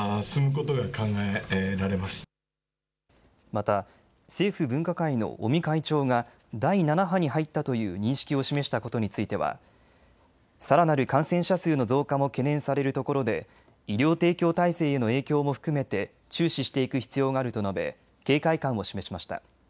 また政府分科会の尾身会長が第７波に入ったという認識を示したことについてはさらなる感染者数の増加も懸念されるところで医療提供体制への影響も含めて注視していく必要があると述べ警戒感を示しました。